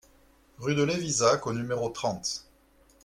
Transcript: Rue de Lévizac au numéro trente